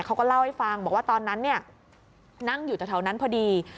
เขาก็เล่าให้ฟังบอกว่าตอนนั้นเนี่ยนั่งอยู่แถวนั้นพอดี